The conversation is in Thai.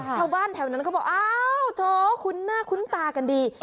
ชาวบ้านแถวนั้นก็บอกโอ้โธคุณหน้าคุณตากันดี